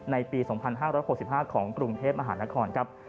ในปี๒๕๖๕ของกรุงเทพมหานครครับ